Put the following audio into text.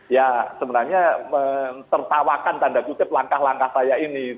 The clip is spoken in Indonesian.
ya sebenarnya tertawakan tanda kutip langkah langkah saya ini